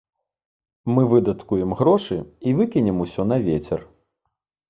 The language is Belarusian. Мы выдаткуем грошы і выкінем усё на вецер.